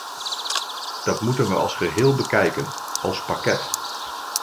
Dat moeten we als geheel bekijken, als pakket.